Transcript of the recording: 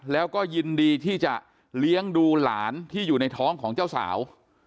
แล้วก็ยินดีที่จะเลี้ยงดูหลานที่อยู่ในท้องของเจ้าสาว